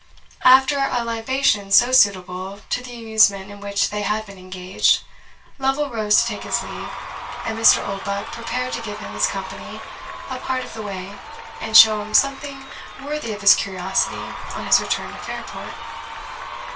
After a libation so suitable to the amusement in which they had been engaged, Lovel rose to take his leave, and Mr. Oldbuck prepared to give him his company a part of the way, and show him something worthy of his curiosity on his return to Fairport.